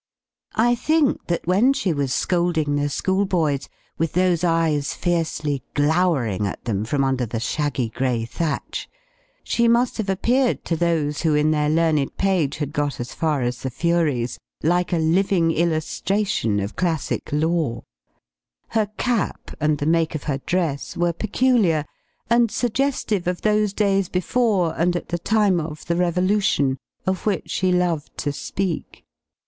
I think that when she was scolding the school boys, with those eyes fiercely "glowering" at them from under the shaggy gray thatch, she must have appeared to those who in their learned page had got as far as the Furies, like a living illustration of classic lore. Her cap and the make of her dress were peculiar, and suggestive of those days before, and at the time of, the Revolution, of which she loved to speak.